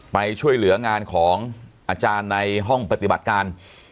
ไปช่วยเหลืองานของอาจารย์ในห้องปฏิบัติการ